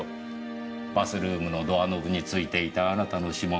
バスルームのドアノブについていたあなたの指紋。